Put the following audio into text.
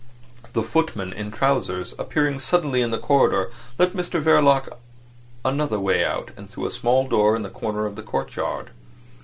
The footman in trousers, appearing suddenly in the corridor, let Mr Verloc another way out and through a small door in the corner of the courtyard.